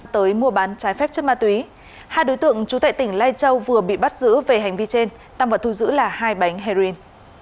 tới mua bán trái phép chất ma túy hai đối tượng trú tại tỉnh lai châu vừa bị bắt giữ về hành vi trên tăng vật thu giữ là hai bánh heroin